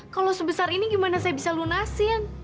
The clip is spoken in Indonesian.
kalau sebesar ini gimana saya bisa lunasin